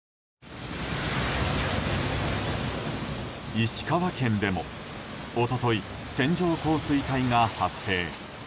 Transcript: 石川県でも一昨日線状降水帯が発生。